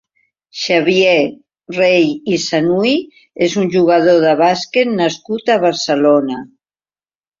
Xavier Rei i Sanuy és un jugador de bàsquet nascut a Barcelona.